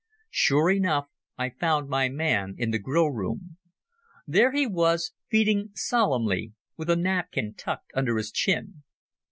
Sure enough I found my man in the Grill Room. There he was, feeding solemnly, with a napkin tucked under his chin.